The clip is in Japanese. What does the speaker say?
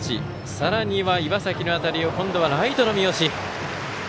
さらに、岩崎の当たりを今度はライトの三好。